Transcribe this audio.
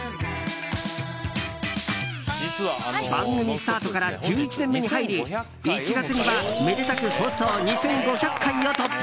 番組スタートから１１年目に入り１月には、めでたく放送２５００回を突破！